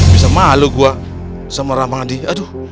bisa malu gua sama rahmadi aduh